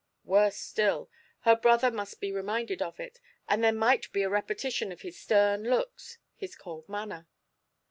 Worse still, her brother must be reminded of it, and there might be a repetition of his stern looks, his cold manner.